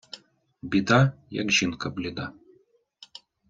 Біда, як жінка бліда.